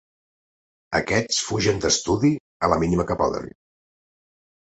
Aquests fugen d'estudi a la mínima que poden.